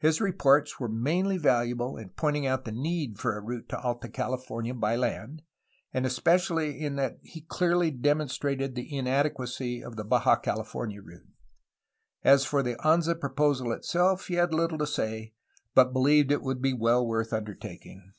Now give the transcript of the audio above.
His reports were mainly valuable 298 A HISTORY OF CALIFORNIA in pointing out the need for a route to Alta California by land, and especially in that he clearly demonstrated the inadequacy of the Baja California route. As for the Anza proposal itself, he had httle to say, but believed it would be well worth undertaking.